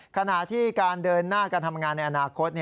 ขณะที่การเดินหน้าการทำงานในอนาคต